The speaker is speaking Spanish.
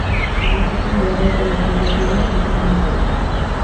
La fruta es morada con las semillas negras y son comestibles.